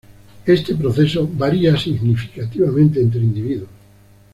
Este proceso varía significativamente entre individuos.